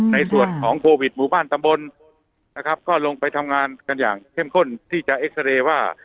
ในส่วนของโควิดหมู่บ้านตำบลนะครับก็ลงไปทำงานกันอย่างเข้มข้นที่จะเอ็กซาเรย์ว่า